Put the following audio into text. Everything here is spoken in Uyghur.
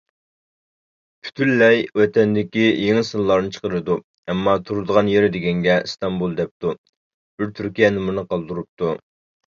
پۈتۈنلەي ۋەتەندىكى يېڭى سىنلارنى چىقىرىدۇ، ئەمما تۇرىدىغان يېرى دېگەنگە ئىستانبۇل دەپتۇ، بىر تۈركىيە نومۇرىنى قالدۇرۇپتۇ.